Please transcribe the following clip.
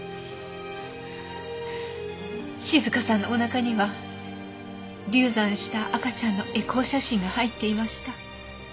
静香さんのお腹には流産した赤ちゃんのエコー写真が入っていました。